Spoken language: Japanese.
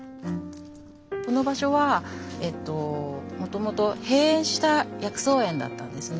この場所はもともと閉園した薬草園だったんですね。